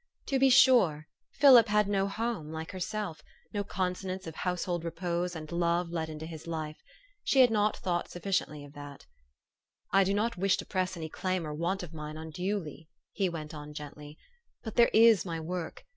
To be sure, Philip had no home, like herself, no consonance of household repose and love let into his life. She had not thought sufficiently of that. " I do not wish to press any claim or want of mine unduly," he went on gently ;" but there is my work.